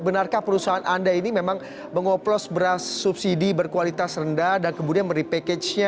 benarkah perusahaan anda ini memang mengoplos beras subsidi berkualitas rendah dan kemudian merepackage nya